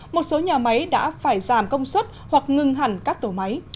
một số nhà máy đã phải giảm công suất hoặc ngừng hẳn các tổ máy